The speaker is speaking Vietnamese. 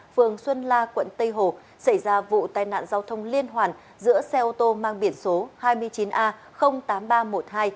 phường xuân la quận tây hồ xảy ra vụ tai nạn giao thông liên hoàn giữa xe ô tô mang biển số hai mươi chín a tám nghìn ba trăm một mươi hai